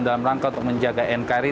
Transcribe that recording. dalam rangka untuk menjaga nkri